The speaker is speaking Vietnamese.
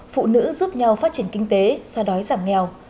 phụ nữ giúp nhau phát triển kinh tế xoa đói giảm nghèo